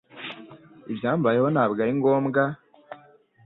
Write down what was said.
Ibyambayeho ntabwo ari ngombwa